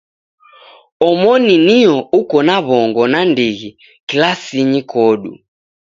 Omoni nio uko na w'ongo nandighi kilasinyi kodu.